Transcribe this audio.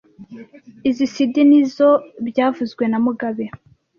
Izoi sidi ni izoe byavuzwe na mugabe